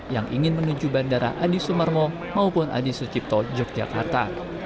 yang ingin menuju bandara adi sumarmo maupun adi sucipto yogyakarta